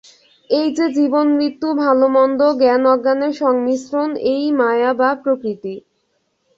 এই যে জীবন-মৃত্যু, ভাল-মন্দ, জ্ঞান-অজ্ঞানের সংমিশ্রণ, এই-ই মায়া বা প্রকৃতি।